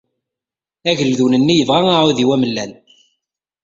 Ageldun-nni yebɣa aɛudiw amellal.